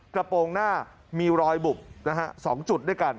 กระโปรงหน้ามีรอยบุบนะฮะ๒จุดด้วยกัน